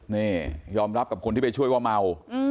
นี่ยอมรับกับคนที่ไปช่วยว่าเมา